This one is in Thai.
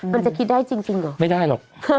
มันจะคิดได้จริงเหรอไม่ได้หรอก